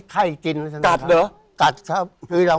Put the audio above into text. ไข้กินนั่นราบครับ